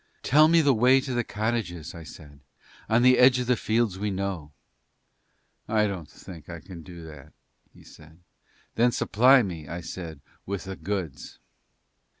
"Tell me the way to the cottages," I said, "on the edge of the fields we know." "I don't think we can do that," he said. "Then supply me," I said, "with the goods."